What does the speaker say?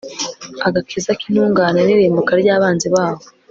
agakiza k'intungane n'irimbuka ry'abanzi bawo